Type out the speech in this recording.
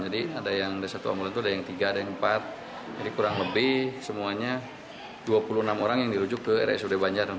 jadi ada yang ada satu ambulan itu ada yang tiga ada yang empat jadi kurang lebih semuanya dua puluh enam orang yang dirujuk ke rsud banjar